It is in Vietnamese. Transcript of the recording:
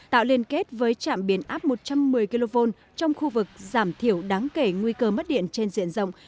tạo liên kết với trạm biến áp một trăm một mươi kv trong khu vực giảm thiểu đáng kể nguy cơ mất điện trên diện rộng